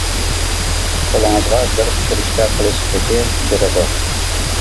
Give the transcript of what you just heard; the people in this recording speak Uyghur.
قولىڭىزغا بىر سۈرۈشتە قىلىش خېتى بېرىدۇ.